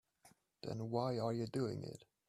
Then why are you doing it?